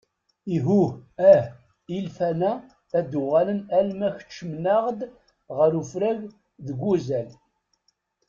Ihuh ah! ilfan-a ad uɣalen alma keččmen-aɣ-d ɣer ufrag deg uzal.